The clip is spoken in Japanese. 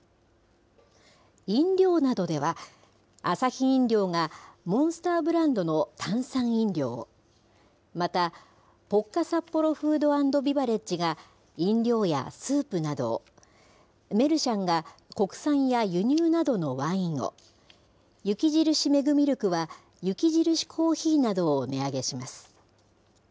飲料などでは、アサヒ飲料がモンスターブランドの炭酸飲料を、またポッカサッポロフード＆ビバレッジが、飲料やスープなどを、メルシャンが国産や輸入などのワインを、雪印メグミルクは、雪印コーヒーなどを値上げします。